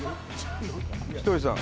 ひとりさん？